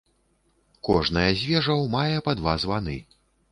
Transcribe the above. Кожная з вежаў мае па два званы.